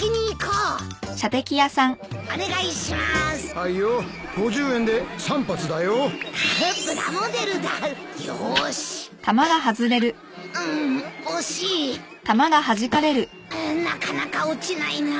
うーんなかなか落ちないな。